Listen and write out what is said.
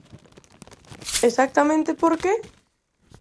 ¿Exactamente por que?